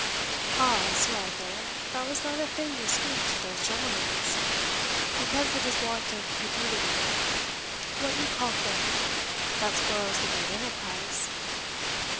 "Ah, Sir Arthur, that was not a thing to speak to those gentlemans, because it is want of credulity what you call faith that spoils the great enterprise."